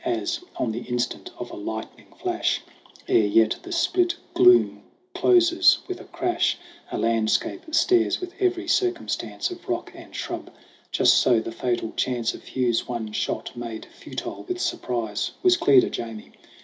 As, on the instant of a lightning flash Ere yet the split gloom closes with a crash, A landscape stares with every circumstance Of rock and shrub just so the fatal chance Of Hugh's one shot, made futile with surprise, Was clear to Jamie.